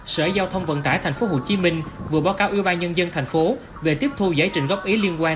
sở giao thông vận tải tp hcm vừa báo cáo ủy ban nhân dân tp hcm về tiếp thu giải trình góp ý liên quan